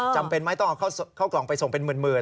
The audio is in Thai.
จำเป็นไหมต้องเอาเข้ากล่องไปส่งเป็นหมื่น